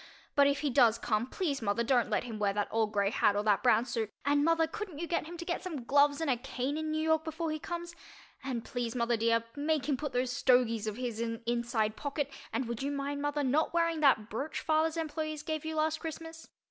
But if he does come please mother don't let him wear that old gray hat or that brown suit, and mother couldn't you get him to get some gloves and a cane in New York before he comes? And please, mother dear, make him put those "stogies" of his in an inside pocket and would you mind, mother, not wearing that brooch father's employees gave you last Christmas?